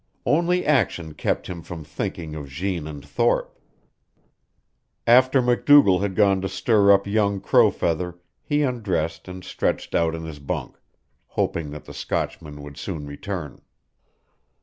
Only action kept him from thinking of Jeanne and Thorpe. After MacDougall had gone to stir up young Crow Feather he undressed and stretched out in his bunk, hoping that the Scotchman would soon return.